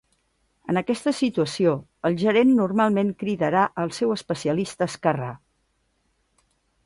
En aquesta situació, el gerent normalment cridarà al seu especialista esquerrà.